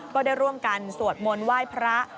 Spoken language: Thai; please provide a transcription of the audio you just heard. ก็ได้ร่วมกันสวดมนต์ไหว้พระ